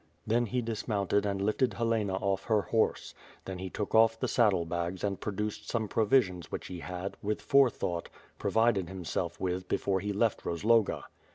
Then he dismounted and lifted Helena off her horie. Then he took off the saddle bags and produced some provisions which he had, with forethought, provided himself with be fore he left Kozloga.